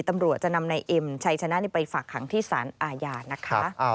ตำรวจจะนำนายเอ็มชัยชนะไปฝากขังที่สารอาญานะคะ